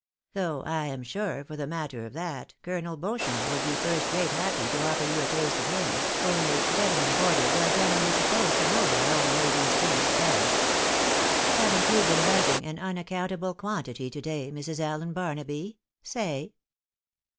Though I am sure, for the matter of that. Colonel Boauchamp would be first rate happy to offer you a taste of his, only, gentlemen boarders are generally supposed to know their own lady's taste best. Haven't you been writing an . unaccountable quantity to day, Mrs. Allen Barnaby ?— Say."